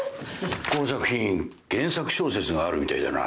この作品原作小説があるみたいだな。